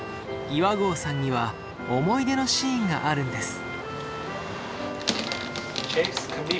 岩合さんには思い出のシーンがあるんです。